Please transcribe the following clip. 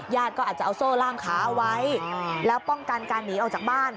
ก็อาจจะเอาโซ่ล่ามขาเอาไว้แล้วป้องกันการหนีออกจากบ้าน